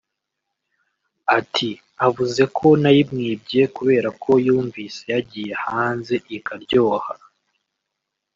Ati “Avuze ko nayimwibye kubera ko yumvise yagiye hanze ikaryoha